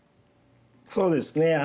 そうですね。